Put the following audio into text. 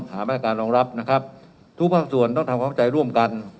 หามาตรการรองรับนะครับทุกภาคส่วนต้องทำความเข้าใจร่วมกัน